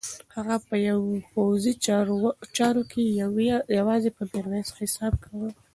هغه په پوځي چارو کې یوازې پر میرویس حساب کاوه.